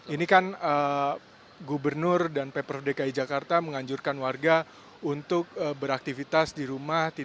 ini kan gubernur dan pemprov dki jakarta menganjurkan warga untuk beraktivitas di rumah